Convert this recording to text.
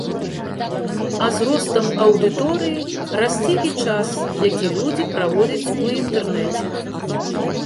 А з ростам аўдыторыі расце і час, які людзі праводзяць у інтэрнэце.